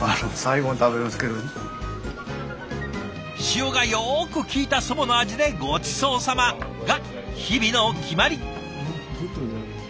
塩がよくきいた祖母の味でごちそうさまが日々の決まり。